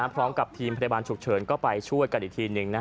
พร้อมกับทีมพยาบาลฉุกเฉินก็ไปช่วยกันอีกทีหนึ่ง